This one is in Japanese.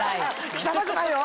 汚くないよ。